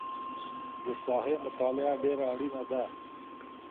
د ساحې مطالعه ډېره اړینه ده.